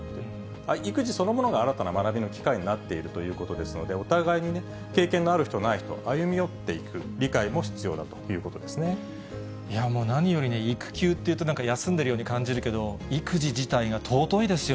育児そのものが新たな学びの機会になっているということですので、お互いに経験のある人、ない人歩み寄っていく理解も必要だといういやもう、何よりね、育休っていうと、休んでるように感じるけど、育児自体が尊いですよ。